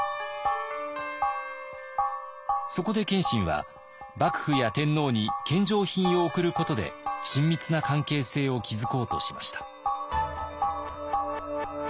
そこで謙信は幕府や天皇に献上品を贈ることで親密な関係性を築こうとしました。